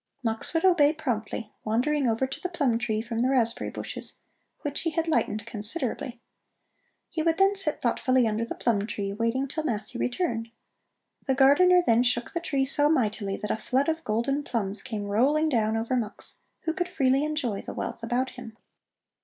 Mux would obey promptly, wandering over to the plum tree from the raspberry bushes, which he had lightened considerably. He then would sit thoughtfully under the plum tree, waiting till Matthew returned. The gardener then shook the tree so mightily that a flood of golden plums came rolling down over Mux, who could freely enjoy the wealth about him.